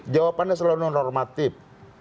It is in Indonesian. jawabannya selalu non normatif